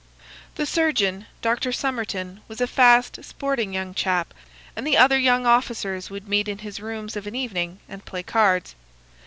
"The surgeon, Dr. Somerton, was a fast, sporting young chap, and the other young officers would meet in his rooms of an evening and play cards.